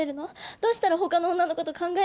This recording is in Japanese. どうしたらほかの女のこと考えない？